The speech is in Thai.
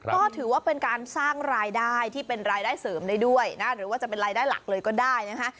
ก็ถือว่าเป็นการสร้างรายได้ที่เป็นรายได้เสริมได้ด้วยนะหรือว่าจะเป็นรายได้หลักเลยก็ได้นะคะ